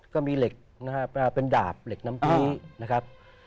ก็มีเหล็กนะครับเป็นดาบเหล็กน้ำพีนะครับ